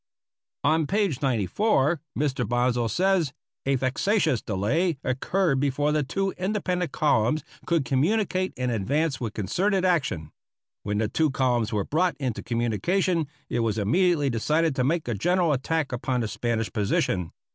On page 94 Mr. Bonsal says: "A vexatious delay occurred before the two independent columns could communicate and advance with concerted action. ... When the two columns were brought into communication it was immediately decided to make a general attack upon the Spanish position.